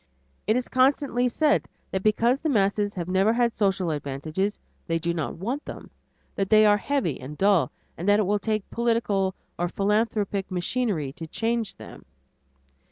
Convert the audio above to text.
It is constantly said that because the masses have never had social advantages, they do want them, that they are heavy and dull, and that it will take political or philanthropic machinery to change them.